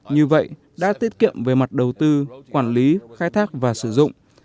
như vậy đã tiết kiệm về mặt đầu tư quản lý khai thác và sử dụng